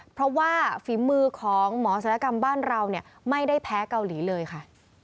เพราะว่าฝีมือของหมอศัลยกรรมบ้านเราไม่ได้แพ้เกาหลีเลยค่ะ